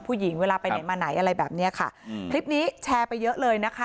ผู้หญิงเวลาไปไหนมาไหนอะไรแบบเนี้ยค่ะอืมคลิปนี้แชร์ไปเยอะเลยนะคะ